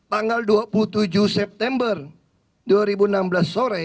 tanggal dua puluh tujuh september dua ribu enam belas sore